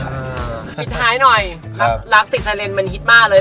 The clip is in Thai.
รักติดเซอร์เลนส์มันฮิตมากเลย